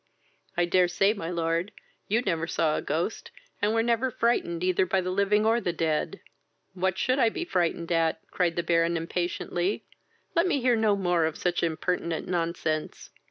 I dare say, my lord, you never saw a ghost, and were never frightened either by the living or the dead." "What should I be frightened at? (cried the Baron impatiently;) let me hear no more such impertinent nonsense."